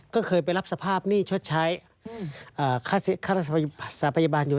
ก็เคยไปรับสภาพหนี้ชดใช้ค่ารักษาพยาบาลอยู่